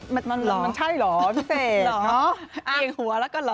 มันใช่เหรอพี่เสกเองหัวแล้วก็เหรอ